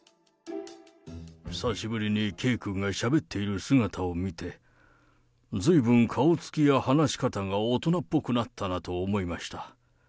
久しぶりに圭君がしゃべっている姿を見て、ずいぶん顔つきや話し方が大人っぽくなったなと思いました。